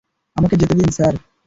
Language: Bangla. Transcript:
আমাকে যেতে দিন, স্যার।